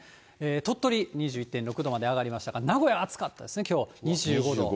鳥取２１．６度まで上がりましたが、名古屋暑かったですね、きょう、２５度。